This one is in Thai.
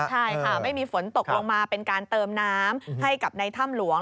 ใช่ค่ะไม่มีฝนตกลงมาเป็นการเติมน้ำให้กับในถ้ำหลวง